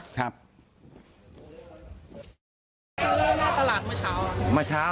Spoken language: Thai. ซื้อหน้าตลาดเมื่อเช้า